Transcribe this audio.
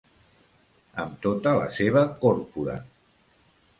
Amb tota la seva còrpora.